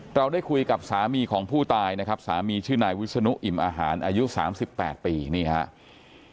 เราได้คุยกับสามีของผู้ตายนะครับสามีชื่อนายวิศนุอิ่มอาหารอายุ๓๘ปีนี่ครับ